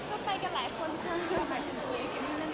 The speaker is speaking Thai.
ก็ไปกันหลายคนค่ะก็หมายถึงตัวอีกนิดนึงก็หวานใจเป็นอีกนิดนึง